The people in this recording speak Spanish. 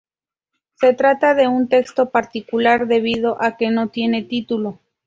Se trata de un texto particular debido a que no tiene título.